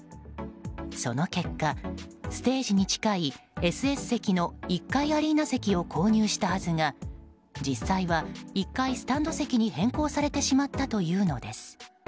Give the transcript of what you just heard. その結果、ステージに近いＳＳ席の１階アリーナ席を購入したはずが実際は１階スタンド席に変更されてしまったというのです。